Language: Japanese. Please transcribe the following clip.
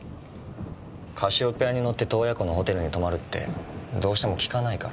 カシオペアに乗って洞爺湖のホテルに泊まるってどうしても聞かないから。